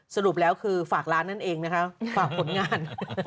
สรุปแล้วคือฝากร้านนั่นเองนะคะฝากผลงาน